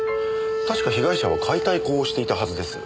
確か被害者は解体工をしていたはずです。